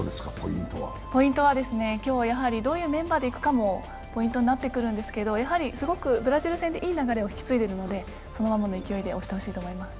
ポイントは、どういうメンバーでいくかもポイントになっていくんですが、やはりブラジル戦でいい流れを引き継いでいるのでそのままの勢いで押してほしいと思います。